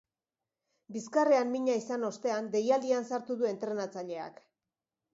Bizkarrean mina izan ostean, deialdian sartu du entrenatzaileak.